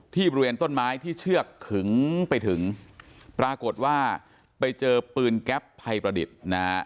บริเวณต้นไม้ที่เชือกขึงไปถึงปรากฏว่าไปเจอปืนแก๊ปภัยประดิษฐ์นะฮะ